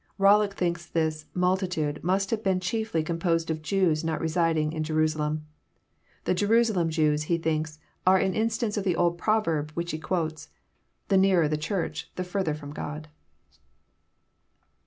Bollock thinks this multitude must have been chiefly com* posed of Jews not residing in Jerusalem. The Jerusalem Jews, be thinks, are an instance of the old proverb, which he quotes, The nearer the Church the ftirther flrom God."